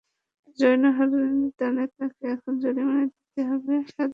যৌন হয়রানির দায়ে তাঁকে এখন জরিমানা দিতে হবে সাত মিলিয়ন মার্কিন ডলার।